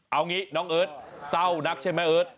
เอางี้น้องเอิร์ทเศร้านักใช่ไหมเอิร์ท